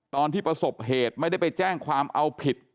ประสบเหตุไม่ได้ไปแจ้งความเอาผิด